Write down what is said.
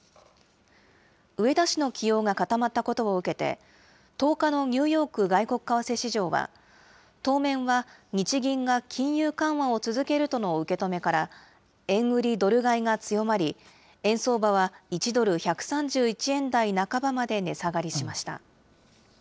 植田氏の起用が固まったことを受けて、１０日のニューヨーク外国為替市場は、当面は日銀が金融緩和を続けるとの受け止めから、円売りドル買いが強まり、円相場は１ドル１３１円台半ばまで値下がりしました。